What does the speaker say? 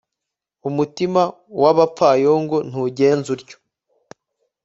umutima w'abapfayongo ntugenza utyo